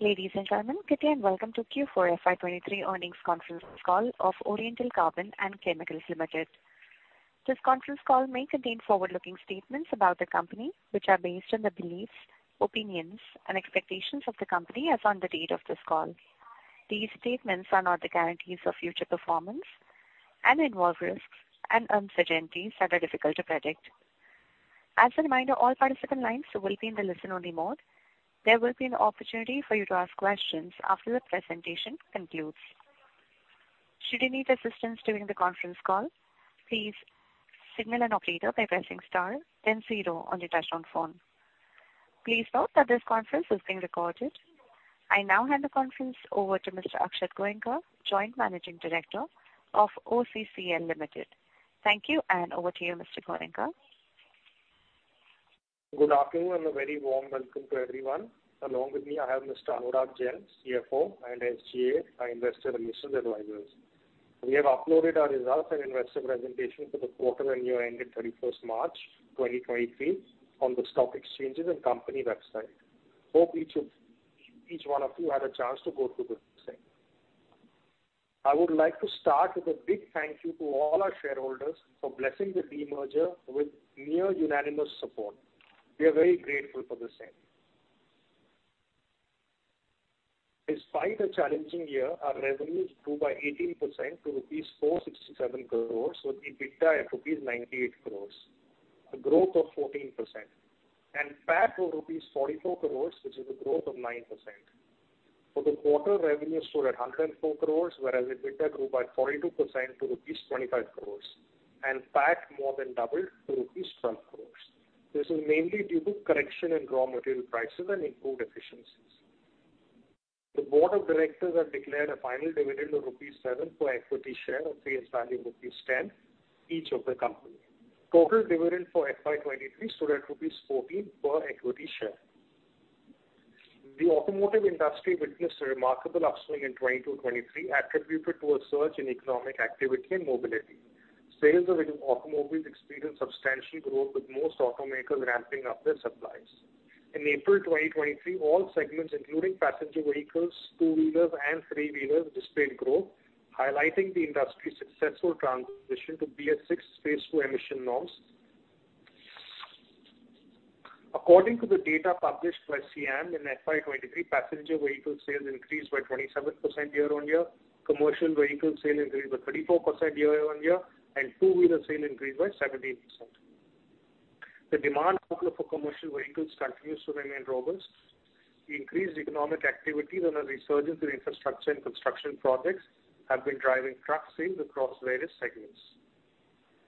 Ladies and gentlemen, good day and welcome to Q4 FY23 earnings conference call of Oriental Carbon & Chemicals Limited. This conference call may contain forward-looking statements about the company, which are based on the beliefs, opinions and expectations of the company as on the date of this call. These statements are not the guarantees of future performance and involve risks and uncertainties that are difficult to predict. As a reminder, all participant lines will be in the listen-only mode. There will be an opportunity for you to ask questions after the presentation concludes. Should you need assistance during the conference call, please signal an operator by pressing star then 0 on your touchtone phone. Please note that this conference is being recorded. I now hand the conference over to Mr. Akshat Goenka, Joint Managing Director of OCCL Limited. Thank you, and over to you, Mr. Goenka. Good afternoon, a very warm welcome to everyone. Along with me, I have Mr. Anurag Jain, CFO, and SGA, our investor relations advisors. We have uploaded our results and investor presentation for the quarter and year ending 31st March 2023 on the stock exchanges and company website. Hope each one of you had a chance to go through the same. I would like to start with a big thank you to all our shareholders for blessing the demerger with near unanimous support. We are very grateful for the same. Despite a challenging year, our revenues grew by 18% to rupees 467 crores, with EBITDA at rupees 98 crores, a growth of 14%. PAT to rupees 44 crores, which is a growth of 9%. For the quarter, revenue stood at 104 crores, whereas EBITDA grew by 42% to rupees 25 crores. PAT more than doubled to rupees 12 crores. This is mainly due to correction in raw material prices and improved efficiencies. The Board of Directors have declared a final dividend of INR seven per equity share of face value rupees 10 each of the company. Total dividend for FY 2023 stood at rupees 14 per equity share. The automotive industry witnessed a remarkable upswing in 2022-2023, attributed to a surge in economic activity and mobility. Sales of automobiles experienced substantial growth, with most automakers ramping up their supplies. In April 2023, all segments including passenger vehicles, two-wheelers and three-wheelers displayed growth, highlighting the industry's successful transition to BS6 phase II emission norms. According to the data published by SIAM in FY23, passenger vehicle sales increased by 27% year-on-year. Commercial vehicle sale increased by 34% year-on-year. Two-wheeler sale increased by 17%. The demand outlook for commercial vehicles continues to remain robust. Increased economic activity and a resurgence in infrastructure and construction projects have been driving truck sales across various segments.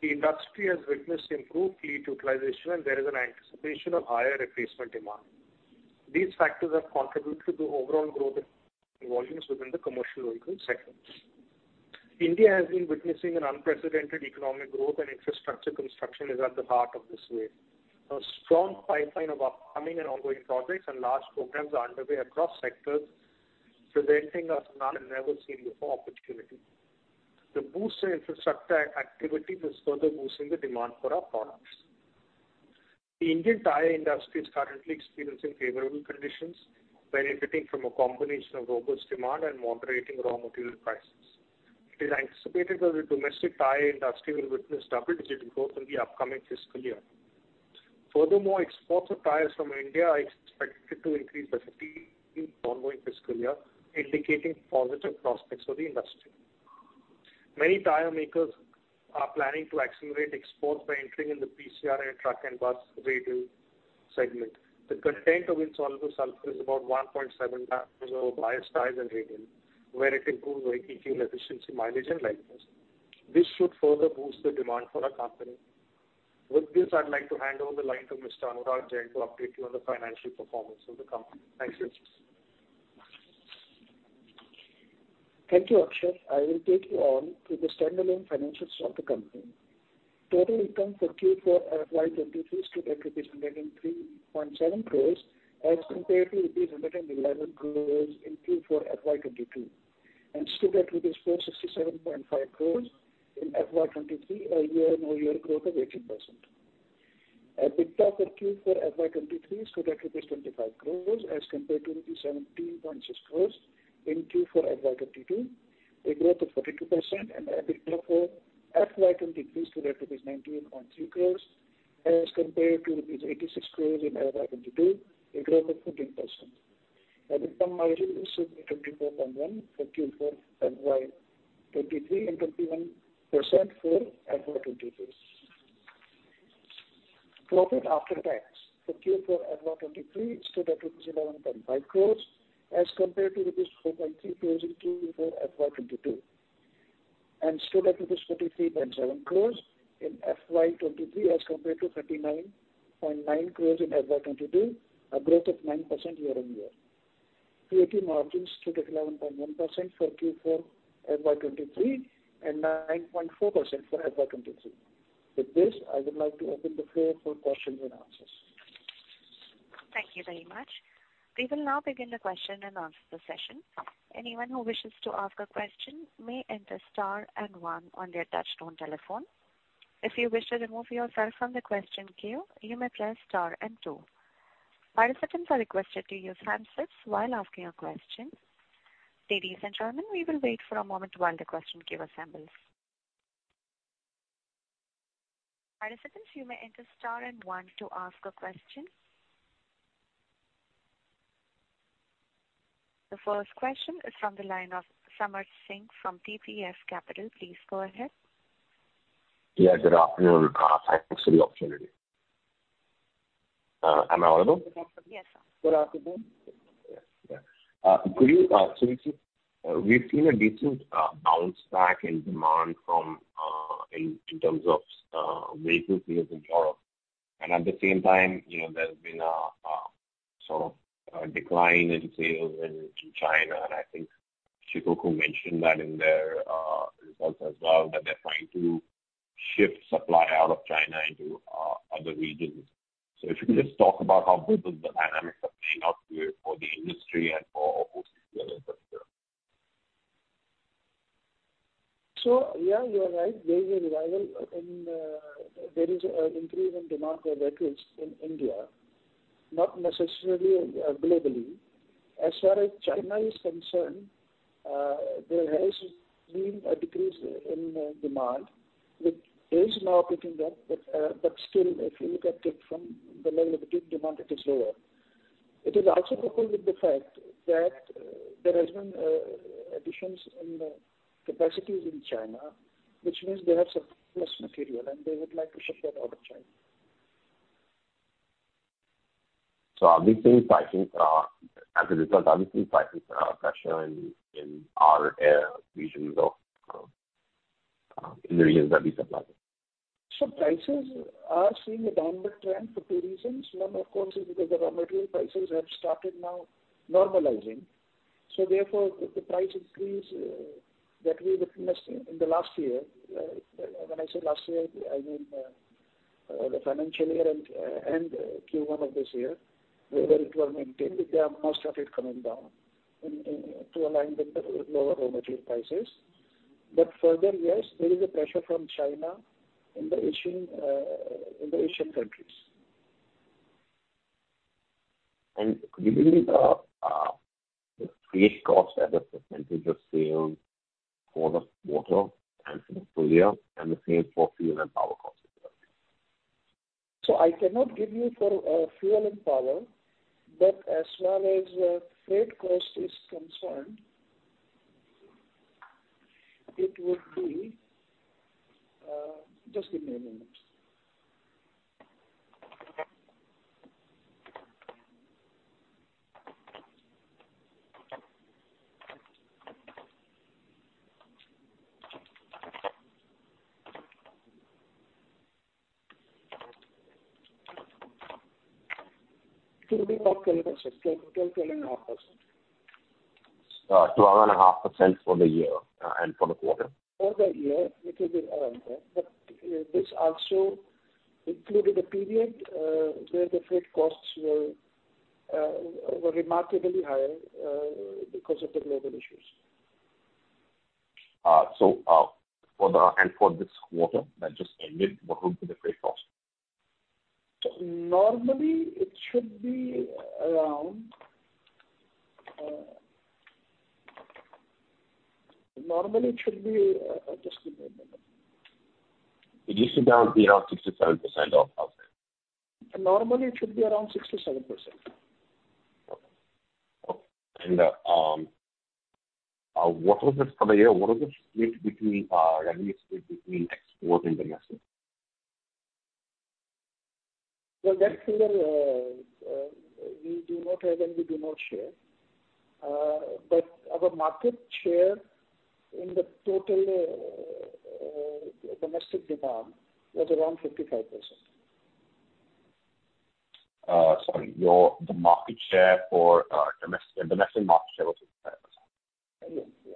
The industry has witnessed improved fleet utilization. There is an anticipation of higher replacement demand. These factors have contributed to overall growth in volumes within the commercial vehicle segments. India has been witnessing an unprecedented economic growth and infrastructure construction is at the heart of this wave. A strong pipeline of upcoming and ongoing projects and large programs are underway across sectors, presenting us now with an never seen before opportunity. The boost in infrastructure activity is further boosting the demand for our products. The Indian tire industry is currently experiencing favorable conditions, benefiting from a combination of robust demand and moderating raw material prices. It is anticipated that the domestic tire industry will witness double-digit growth in the upcoming fiscal year. Exports of tires from India are expected to increase by 15% in ongoing fiscal year, indicating positive prospects for the industry. Many tire makers are planning to accelerate exports by entering in the PCR and truck and bus radial segment. The content of Insoluble Sulphur is about 1.7 times over bias tires and radial, where it improves vehicle efficiency, mileage and life. This should further boost the demand for our company. With this, I'd like to hand over the line to Mr. Anurag Jain to update you on the financial performance of the company. Thank you. Thank you, Akshat. I will take you on through the standalone financials of the company. Total income for Q4 FY 2023 stood at INR 103.7 crores as compared to rupees 111 crores in Q4 FY 2022. Stood at 467.5 crores in FY 2023, a year-over-year growth of 18%. EBITDA for Q4 FY 2023 stood at 25 crores as compared to 17.6 crores in Q4 FY 2022, a growth of 42%. EBITDA for FY 2023 stood at 19.3 crores as compared to 86 crores in FY 2022, a growth of 15%. EBITDA margin stood at 24.1% for Q4 FY 2023 and 21% for FY 2022. Profit after tax for Q4 FY 2023 stood at 11.5 crores as compared to 4.3 crores in Q4 FY 2022, and stood at 43.7 crores in FY 2023 as compared to 39.9 crores in FY 2022, a growth of 9% year-on-year. PAT margins stood at 11.1% for Q4 FY 2023 and 9.4% for FY 2023. With this, I would like to open the floor for question and answers. Thank you very much. We will now begin the question and answer session. Anyone who wishes to ask a question may enter star and one on their touchtone telephone. If you wish to remove yourself from the question queue, you may press star and two. Participants are requested to use handsets while asking your questions. Ladies and gentlemen, we will wait for a moment while the question queue assembles. Participants, you may enter star and one to ask a question. The first question is from the line of Samarth Singh from TPF Capital. Please go ahead. Yeah, good afternoon. Thanks for the opportunity. Am I audible? Yes. Good afternoon. So we've seen a decent bounce back in demand from in terms of vehicle sales in Europe. At the same time, you know, there's been a sort of a decline in sales in to China. And I think Shikoku mentioned that in their results as well, that they're trying to shift supply out of China into other regions. So if you could just talk about how good the dynamics are playing out for the industry and for. Yeah, you are right. There is a revival and there is an increase in demand for vehicles in India, not necessarily, globally. As far as China is concerned, there has been a decrease in demand, which is now picking up. Still, if you look at it from the level of peak demand, it is lower. It is also coupled with the fact that there has been additions in the capacities in China, which means they have surplus material, and they would like to ship that out of China. As a result, are these things pricing pressure in our regions of, in the regions that we supply to? Prices are seeing a downward trend for two reasons. One, of course, is because the raw material prices have started now normalizing. Therefore the price increase that we witnessed in the last year, when I say last year, I mean, the financial year and Q1 of this year, where it was maintained, they have now started coming down in to align with the lower raw material prices. Further, yes, there is a pressure from China in the Asian countries. Could you give me the freight cost as a percentage of sales for the quarter and for the full year and the same for fuel and power costs as well, please? I cannot give you for fuel and power, but as far as freight cost is concerned, it would be, just give me a moment. It will be around 12%, 12.5%. 12.5% for the year, and for the quarter? For the year it will be around there. This also included a period, where the freight costs were remarkably higher, because of the global issues. For this quarter that just ended, what would be the freight cost? Normally it should be, just give me a minute. It used to be around 6%-7% or up there. Normally it should be around 6%-7%. Okay. What was it for the year? What was the split between, I mean, split between export and domestic? Well, that figure, we do not have and we do not share. Our market share in the total domestic demand was around 55%. Sorry, your, the market share for, domestic market share was 55%. Yes. Yeah.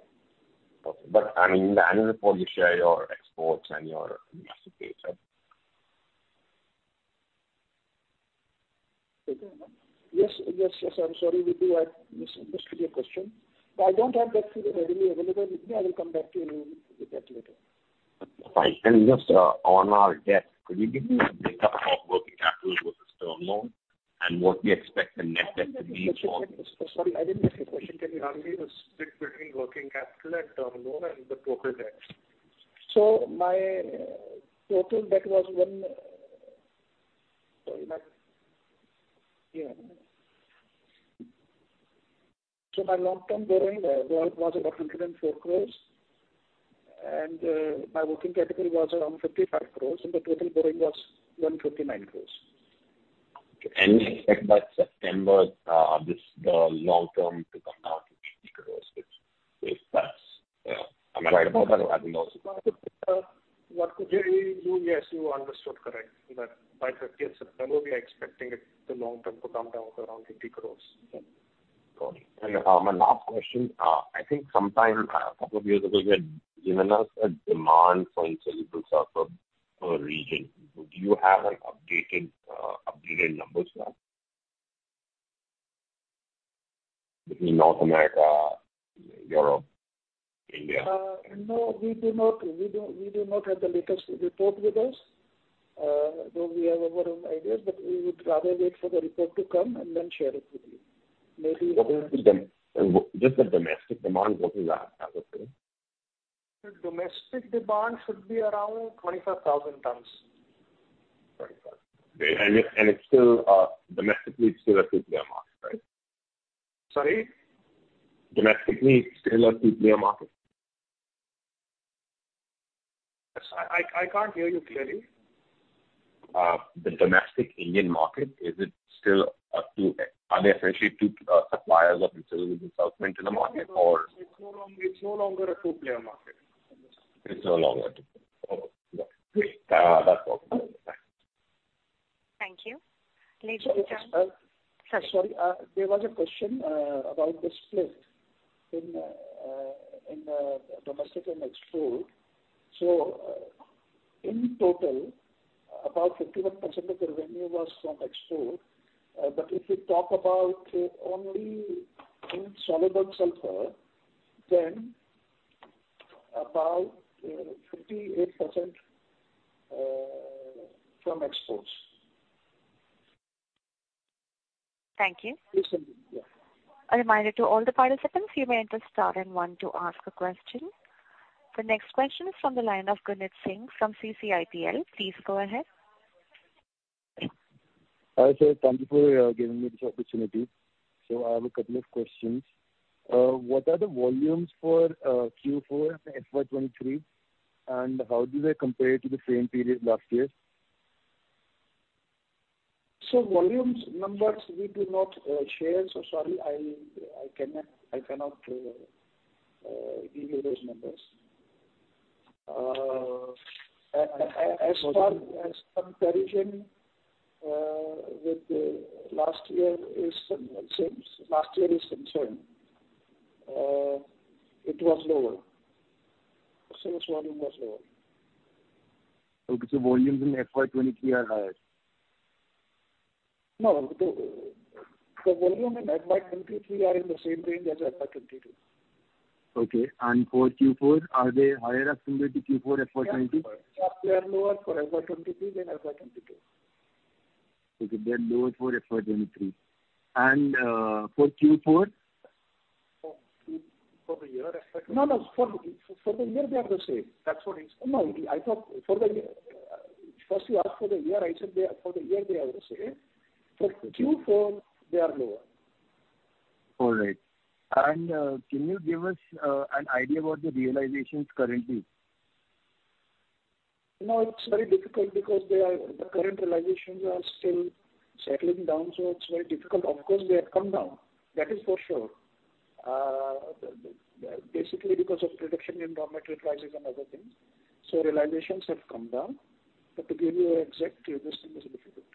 Okay. I mean, in the annual report you share your exports and your domestic data. Yes. Yes. Yes, I'm sorry. We do. I misunderstood your question. I don't have that figure readily available with me. I will come back to you with that later. If I can just on our debt, could you give me the breakup of working capital versus term loan and what we expect the net debt to be? Sorry, I didn't get your question. Can you run me the split between working capital and term loan and the total debt, please? My long-term borrowing was about 104 crores, and my working capital was around 55 crores, and the total borrowing was 159 crores. You expect by September, the long term to come down to 50 crores, which is less. Am I right about that or have you lost me? You, yes, you understood correct that by September we are expecting it, the long term to come down to around 50 crores. Got it. My last question. I think sometime a couple of years ago you had given us a demand for Insoluble Sulphur per region. Do you have an updated numbers now? In North America, Europe, India. No, we do not. We do not have the latest report with us. Though we have our own ideas, we would rather wait for the report to come and then share it with you. What would be the, just the domestic demand, what is that, roughly? The domestic demand should be around 25,000 tons. 25. Okay. It's still domestically a two-player market, right? Sorry? Domestically, it's still a two-player market. I can't hear you clearly. The domestic Indian market, Are there essentially two suppliers of mineral oils in the market? No, it's no longer a two-player market. It's no longer two player market. Okay. Yes. That's all. Thank you. Thank you. Sorry. Sorry. Sorry. There was a question about the split in the domestic and export. In total, about 51% of the revenue was from export. If you talk about only Insoluble Sulphur, then about 58% from exports. Thank you. Yes, thank you. A reminder to all the participants, you may enter star and one to ask a question. The next question is from the line of Gunjan Singh from CCIPL. Please go ahead. Hi, sir. Thank you for giving me this opportunity. I have a couple of questions. What are the volumes for Q4 FY 2023, and how do they compare to the same period last year? Volumes numbers we do not share, sorry, I cannot give you those numbers. As far as comparison with the last year is same. Last year is same. It was lower. Sales volume was lower. Okay. volumes in FY 2023 are higher. No. The volume in FY23 are in the same range as FY22. Okay. For Q4, are they higher or similar to Q4 FY 2022? They are lower for FY 2023 than FY 2022. Okay. They are lower for FY 23. For Q4? For Q, for the year. No, no. For the year they are the same. That's what he's. No, I thought for the year. First you asked for the year, I said they are, for the year they are the same. For Q4 they are lower. All right. Can you give us an idea about the realizations currently? No, it's very difficult because they are, the current realizations are still settling down, so it's very difficult. Of course, they have come down, that is for sure. Basically because of reduction in raw material prices and other things. Realizations have come down. To give you an exact this thing is difficult.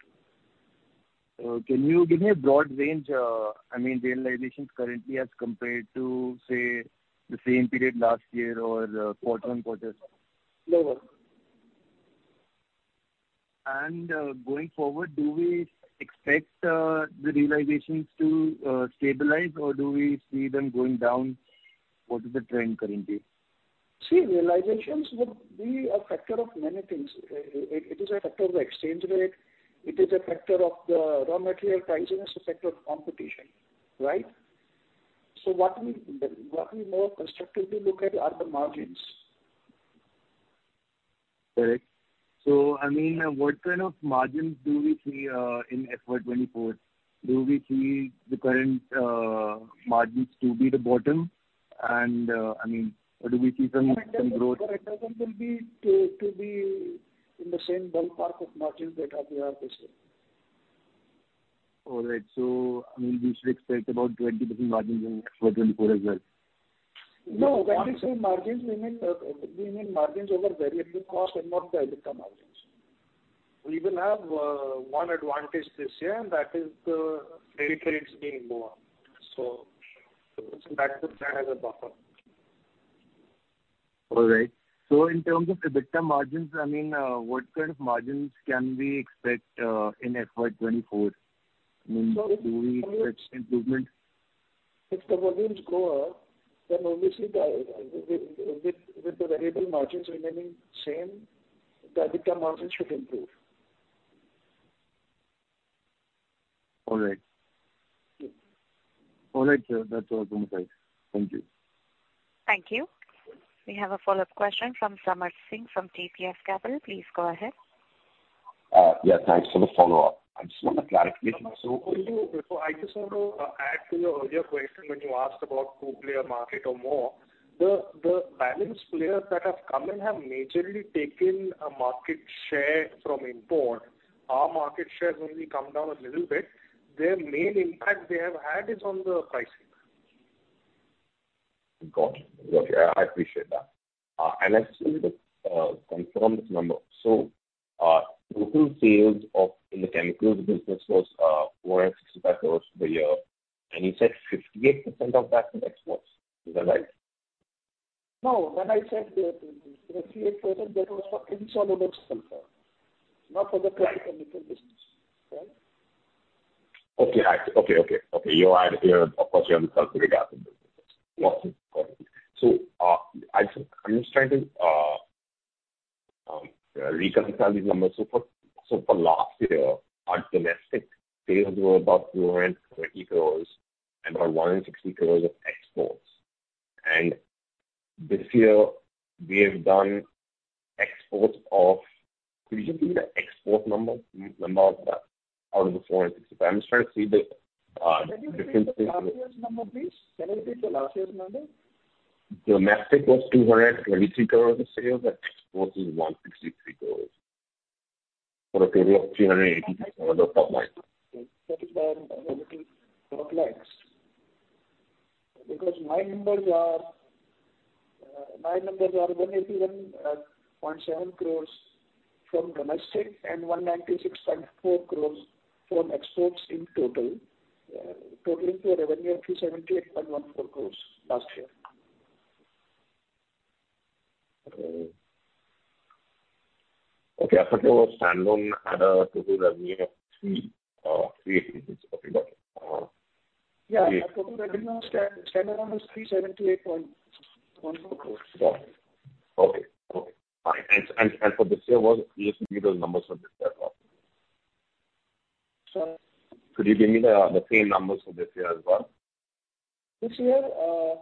Can you give me a broad range, I mean, realizations currently as compared to, say, the same period last year or, quarter-on-quarter? Lower. Going forward, do we expect the realizations to stabilize or do we see them going down? What is the trend currently? Realizations would be a factor of many things. It is a factor of the exchange rate, it is a factor of the raw material prices, it's a factor of competition, right? What we more constructively look at are the margins. Correct. I mean, what kind of margins do we see in FY 2024? Do we see the current margins to be the bottom? I mean, or do we see some growth. The redemption will be to be in the same ballpark of margins that we are facing. All right. I mean, we should expect about 20% margins in FY 2024 as well. No. When we say margins, we mean margins over variable cost and not the EBITDA margins. We will have one advantage this year and that is the freight rates being lower. That could play as a buffer. All right. In terms of EBITDA margins, I mean, what kind of margins can we expect in FY 2024? I mean, do we expect improvement? If the volumes go up, then obviously the, with the variable margins remaining same, the EBITDA margins should improve. All right. All right, sir. That's all from my side. Thank you. Thank you. We have a follow-up question from Samarth Singh from TPF Capital. Please go ahead. Yeah, thanks for the follow-up. I just want a clarification. I just want to add to your earlier question when you asked about two-player market or more. The balanced players that have come in have majorly taken a market share from import. Our market share has only come down a little bit. Their main impact they have had is on the pricing. Got it. Okay. I appreciate that. Actually, to confirm this number. Total sales in the chemicals business was 465 crores for the year, and you said 58% of that is exports. Is that right? No. When I said the 38%, that was for Insoluble Sulphur itself, not for the chemical business. Right? Okay. Okay. Okay. Okay. You are, of course, you're I'm just trying to reconcile these numbers. For last year, our domestic sales were about 220 crores and about 160 crores of exports. This year we have done exports of... Could you give me the export number out of the 465? I'm just trying to see the difference between. Can you repeat the last year's number, please. Can you repeat the last year's number? Domestic was 223 crores of sales and exports is 163 crores for a total of 386 crores of top line. That is where I'm a little perplexed because my numbers are 181.7 crores from domestic and 196.4 crores from exports in total, totaling to a revenue of 378.14 crores last year. Okay. Okay. Standalone had a total revenue of 380. Is that correct? Yeah. Our total revenue standalone was 378.14 crores. Got it. Okay. Okay. Fine. For this year, could you just read those numbers for this year as well? Sorry. Could you give me the same numbers for this year as well? This year. This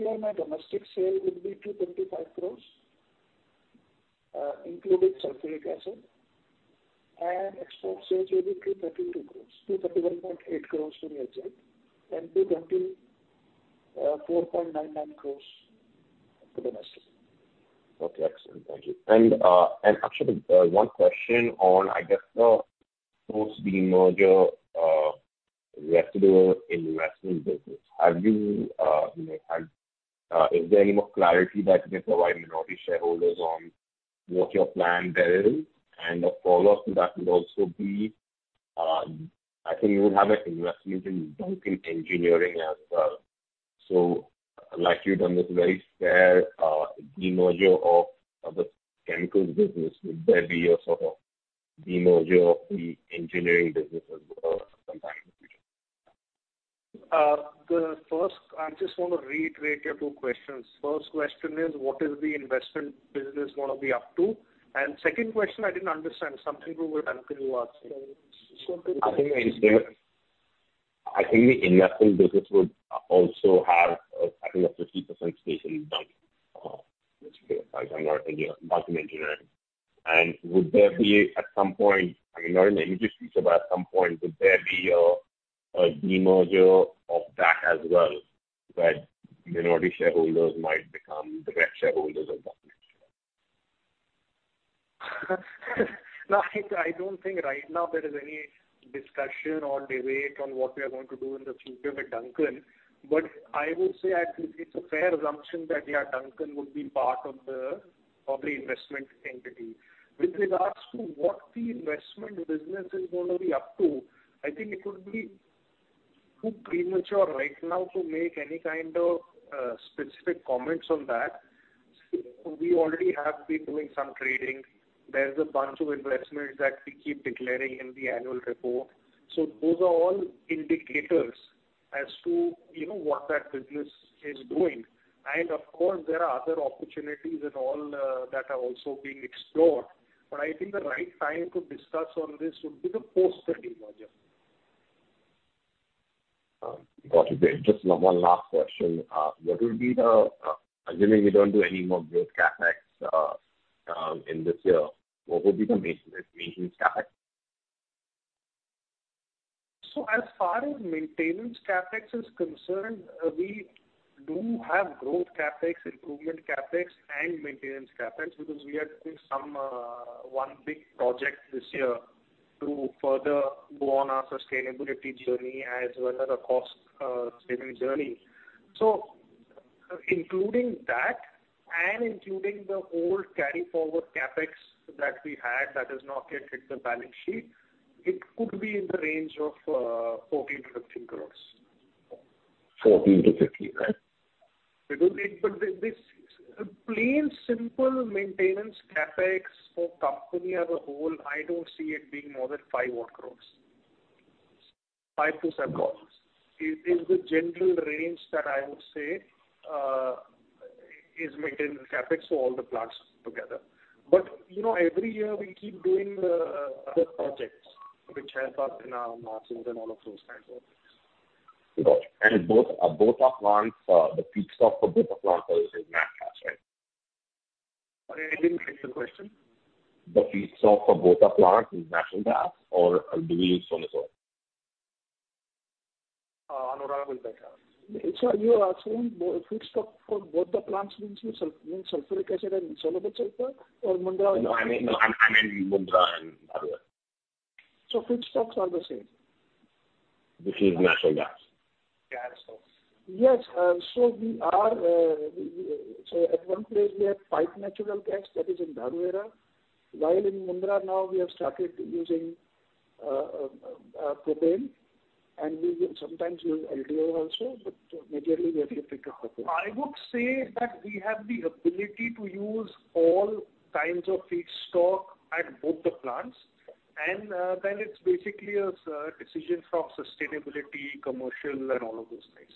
year my domestic sale would be 225 crores, including Sulphuric Acid, and export sales will be 332 crores, 331.8 crores to be exact, and 224.99 crores to domestic. Okay. Excellent. Thank you. Akshat, one question on, I guess, the post demerger, residual investment business. Have you know, is there any more clarity that you can provide minority shareholders on what your plan there is? A follow-up to that would also be, I think you would have an investment in Duncan Engineering as well. Like you've done this very fair demerger of the chemicals business, would there be a sort of demerger of the engineering business as well sometime in the future? I just want to reiterate your two questions. First question is, what is the investment business going to be up to? Second question, I didn't understand. Something to with Duncan you asked. I think the investment business would also have, I think a 50% stake in Duncan, which is Duncan Engineering. Would there be at some point, I mean, not in the immediate future, but at some point, would there be a demerger of that as well, where minority shareholders might become direct shareholders of Duncan? No, I don't think right now there is any discussion or debate on what we are going to do in the future with Duncan. I would say I think it's a fair assumption that, yeah, Duncan would be part of the, of the investment entity. With regards to what the investment business is gonna be up to, I think it would be too premature right now to make any kind of specific comments on that. We already have been doing some trading. There's a bunch of investments that we keep declaring in the annual report. Those are all indicators as to, you know, what that business is doing. Of course, there are other opportunities and all that are also being explored. I think the right time to discuss on this would be the post demerger. Got you. Just one last question. What would be the, assuming you don't do any more growth CapEx, in this year, what would be the maintenance CapEx? As far as maintenance CapEx is concerned, we do have growth CapEx, improvement CapEx, and maintenance CapEx, because we are doing some, one big project this year to further go on our sustainability journey as well as a cost, saving journey. Including that and including the old carry forward CapEx that we had that has not yet hit the balance sheet, it could be in the range of 14-15 crores. 14-15, right. The plain simple maintenance CapEx for company as a whole, I don't see it being more than 5 crores. 5-7 crores is the general range that I would say, is maintenance CapEx for all the plants together. You know, every year we keep doing, other projects which help us in our margins and all of those kinds of things. Got you. Both our plants, the feedstock for both the plants is natural gas, right? I didn't get the question. The feedstock for both our plants is natural gas or do we use solar as well? Anurag will better. You are saying feedstock for both the plants means Sulphuric Acid and Insoluble Sulphur both, right? No, I mean, I mean Mundra and Barmer. Feedstocks are the same. Which is natural gas. Yeah, absolutely. Yes. We are at one place we have pipe natural gas that is in Dharuhera, while in Mundra now we have started using propane. We will sometimes use LDO also. Majorly we have depicted propane. I would say that we have the ability to use all kinds of feedstock at both the plants. Then it's basically a decision from sustainability, commercial and all of those things.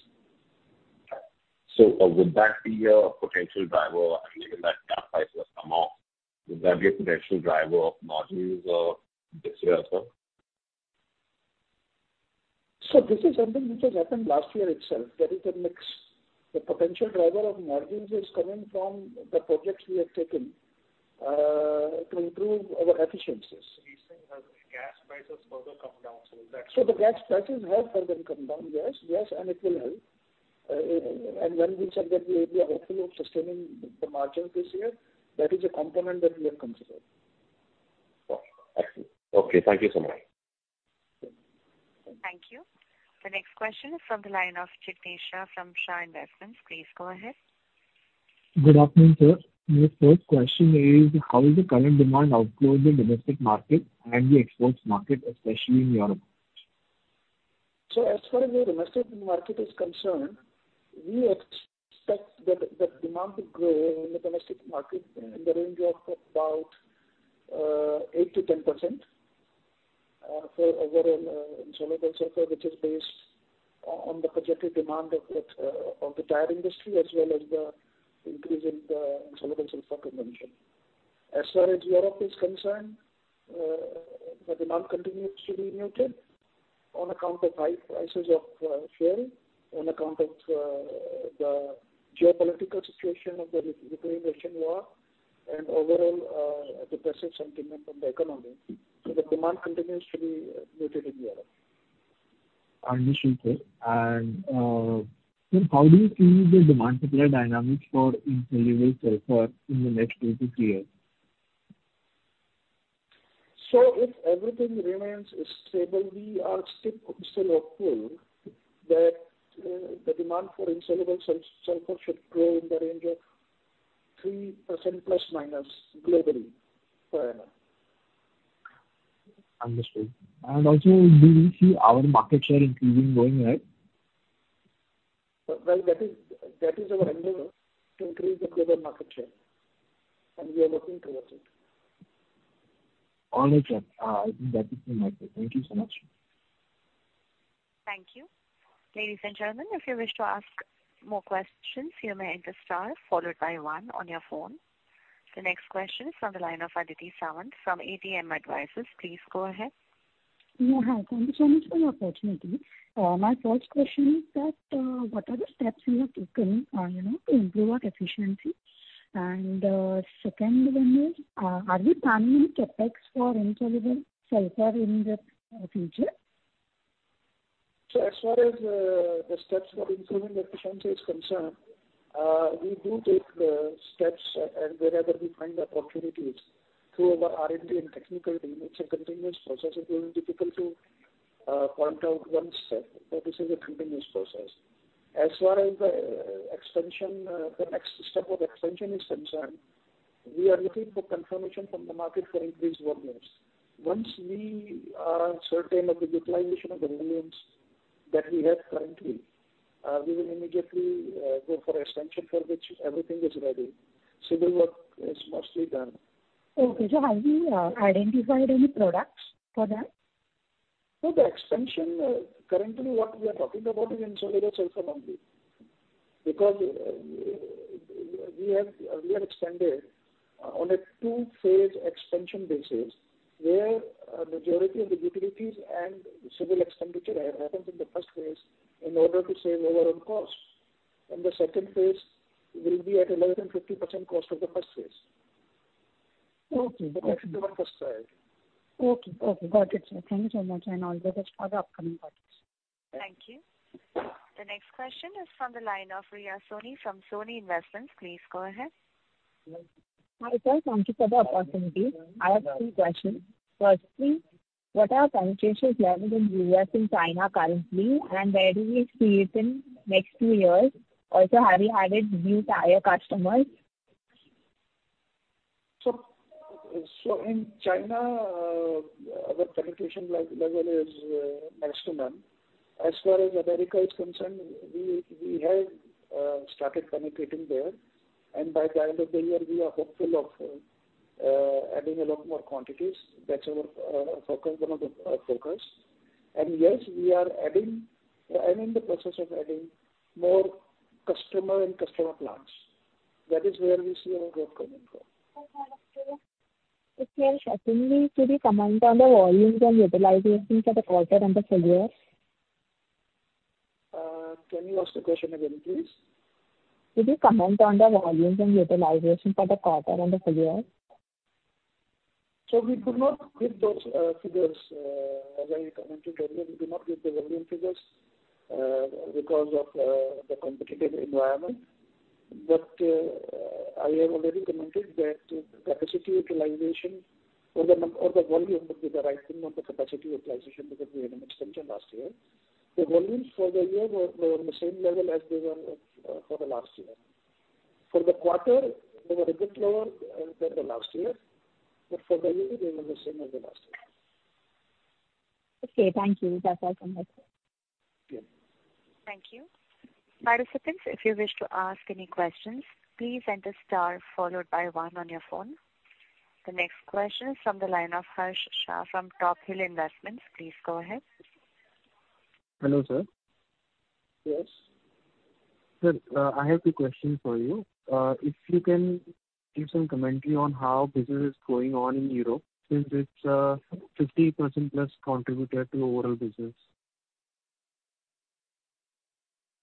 Would that be a potential driver given that gas prices come off, would that be a potential driver of margins, this year as well? This is something which has happened last year itself. There is a mix. The potential driver of margins is coming from the projects we have taken to improve our efficiencies. He's saying has gas prices further come down, so is that. The gas prices have further come down, yes, and it will help. When we said that we are hopeful of sustaining the margins this year, that is a component that we have considered. Okay. Thank you so much. Thank you. The next question is from the line of Jignesh Sapra from Shah Investments. Please go ahead. Good afternoon, sir. My first question is how is the current demand outlook in domestic market and the exports market, especially in Europe? As far as the domestic market is concerned, we expect that the demand to grow in the domestic market in the range of about 8%-10% for overall Insoluble Sulphur, which is based on the projected demand of the tire industry as well as the increase in the Insoluble Sulphur consumption. As far as Europe is concerned, the demand continues to be muted on account of high prices of freight, on account of the geopolitical situation of the Ukraine-Russian war and overall depressive sentiment of the economy. The demand continues to be muted in Europe. Understood, sir. sir, how do you see the demand supply dynamics for Insoluble Sulphur in the next two to three years? If everything remains stable, we are still hopeful that the demand for Insoluble Sulphur should grow in the range of 3% ± globally per annum. Understood. Also do you see our market share increasing going ahead? Well, that is our endeavor to increase the global market share, and we are looking towards it. Understood. I think that is it from my side. Thank you so much. Thank you. Ladies and gentlemen, if you wish to ask more questions, you may enter star followed by one on your phone. The next question is from the line of Aditi Sawant from ADM Advisors. Please go ahead. Yeah, hi. Thank you so much for the opportunity. My first question is that, what are the steps you have taken, you know, to improve our efficiency? Second one is, are we planning CapEx for Insoluble Sulphur in the future? As far as the steps for improving the efficiency is concerned, we do take steps at wherever we find the opportunities through our R&D and technical team. It's a continuous process. It will be difficult to point out one step, but this is a continuous process. As far as the expansion, the next step of expansion is concerned, we are looking for confirmation from the market for increased volumes. Once we are certain of the utilization of the volumes that we have currently, we will immediately go for expansion for which everything is ready. Civil work is mostly done. Okay. Have you identified any products for that? No, the expansion, currently what we are talking about is Insoluble Sulphur only. We have expanded on a two-phase expansion basis where majority of the utilities and civil expenditure happens in the first phase in order to save overall costs. The second phase will be at less than 50% cost of the first phase. Okay. Because it's more cost side. Okay. Okay. Got it, sir. Thank you so much, and all the best for the upcoming quarters. Thank you. The next question is from the line of Rishab Soni from Soni Investments. Please go ahead. Hi, sir. Thank you for the opportunity. I have two questions. Firstly, what are our penetration levels in U.S. and China currently, and where do we see it in next few years? Also, have you added new tire customers? In China, our penetration level is next to none. As far as America is concerned, we have started penetrating there. By the end of the year we are hopeful of adding a lot more quantities. That's our focus, one of the focus. Yes, we are adding, and in the process of adding more customer and customer plants. That is where we see our growth coming from. Okay. Got it, sir. If you're expecting me to comment on the volumes and utilization for the quarter and the full year. Can you ask the question again, please? Could you comment on the volumes and utilization for the quarter and the full year? We do not give those figures. As I commented earlier, we do not give the volume figures because of the competitive environment. I have already commented that capacity utilization or the volume would be the right thing, not the capacity utilization, because we had an extension last year. The volumes for the year were on the same level as they were for the last year. For the quarter, they were a bit lower than the last year, but for the year they were the same as the last year. Okay, thank you. That's all from my side. Yeah. Thank you. Participants, if you wish to ask any questions, please enter star followed by one on your phone. The next question is from the line of Harsh Shah from Tophill Investments. Please go ahead. Hello, sir. Yes. Sir, I have two questions for you. If you can give some commentary on how business is going on in Europe since it's 50% plus contributor to overall business.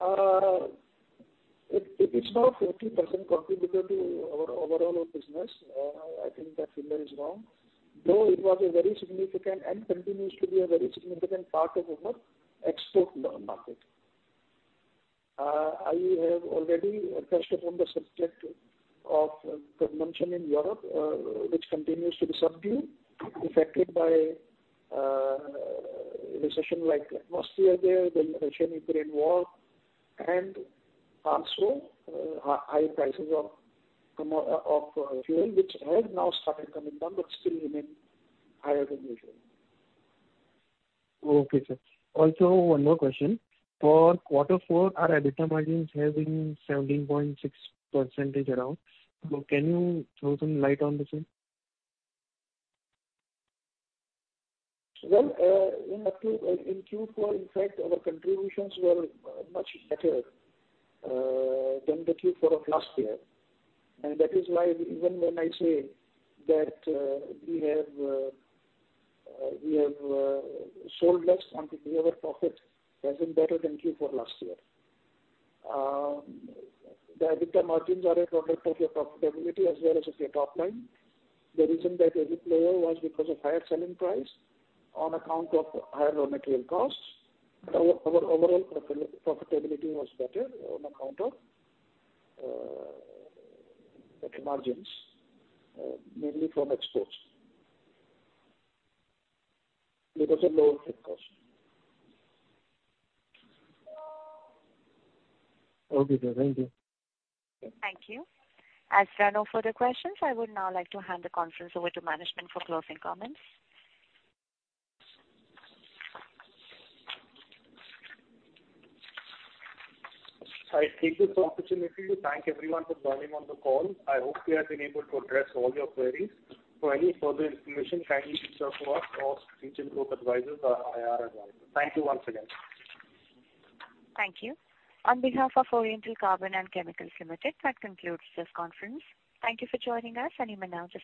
It is now 40% contributor to our overall business. I think that figure is wrong, though it was a very significant and continues to be a very significant part of our export market. I have already touched upon the subject of consumption in Europe, which continues to be subdued, affected by recession-like atmosphere there, the Russian-Ukraine war, and also high prices of fuel, which have now started coming down but still remain higher than usual. Okay, sir. Also one more question. For quarter four, our EBITDA margins have been 17.6% around. Can you throw some light on the same? Well, in October, in Q4 in fact our contributions were much better than the Q4 of last year. That is why even when I say that, we have sold less and yet our profit has been better than Q4 last year. The EBITDA margins are a product of your profitability as well as of your top line. The reason that EBITDA was because of higher selling price on account of higher raw material costs. Our overall profitability was better on account of EBITDA margins, mainly from exports. Because of lower input costs. Okay, sir. Thank you. Thank you. As there are no further questions, I would now like to hand the conference over to management for closing comments. I take this opportunity to thank everyone for joining on the call. I hope we have been able to address all your queries. For any further information, kindly reach out to us or reach in to our advisors or IR advisors. Thank you once again. Thank you. On behalf of Oriental Carbon & Chemicals Limited, that concludes this conference. Thank you for joining us, and you may now disconnect your lines.